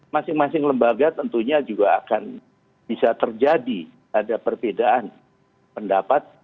masing masing lembaga tentunya juga akan bisa terjadi ada perbedaan pendapat